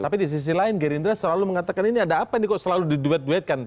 tapi di sisi lain gerindra selalu mengatakan ini ada apa ini kok selalu diduet duetkan